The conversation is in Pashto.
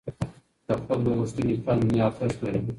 د خلکو غوښتنې قانوني ارزښت لري.